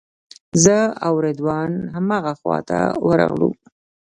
زه او رضوان همغه خواته ورغلو.